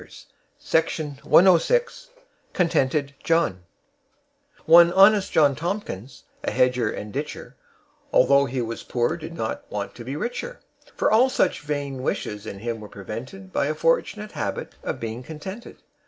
MARY HOWITT CONTENTED JOHN One honest John Tomkins, a hedger and ditcher, Although he was poor, did not want to be richer; For all such vain wishes in him were prevented By a fortunate habit of being contented.